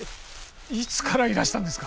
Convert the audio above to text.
いつからいらしたんですか？